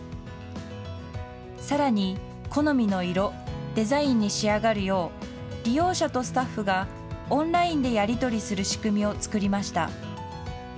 さらに好みの色、デザインに仕上がるよう、利用者とスタッフがオンラインでやり取りする仕組みを作りました。